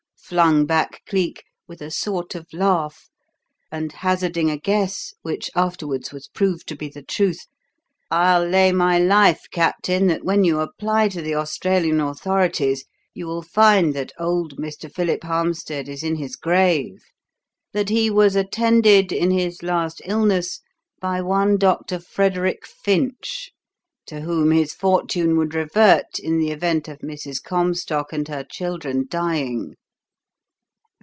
flung back Cleek with a sort of laugh and, hazarding a guess which afterwards was proved to be the truth "I'll lay my life, Captain, that when you apply to the Australian authorities you will find that old Mr. Philip Harmstead is in his grave; that he was attended in his last illness by one Dr. Frederick Finch, to whom his fortune would revert in the event of Mrs. Comstock and her children dying.